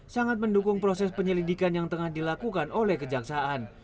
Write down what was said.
sangat mendukung proses penyelidikan yang tengah dilakukan oleh kejaksaan